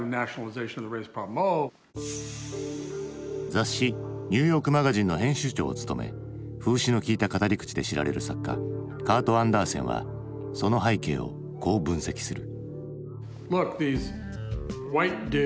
雑誌「ニューヨークマガジン」の編集長を務め風刺のきいた語り口で知られる作家カート・アンダーセンはその背景をこう分析する。